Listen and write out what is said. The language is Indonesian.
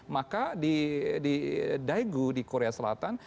maka di daegu di korea selatan